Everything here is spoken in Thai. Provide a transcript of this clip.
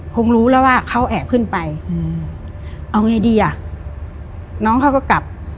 คงรู้แล้วว่าเขาแอบขึ้นไปอืมเอาไงดีอ่ะน้องเขาก็กลับ